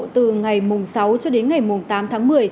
từ ngày mùng sáu cho đến ngày tám tháng một mươi